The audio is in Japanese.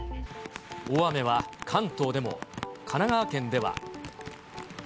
大雨は関東でも、神奈川県では。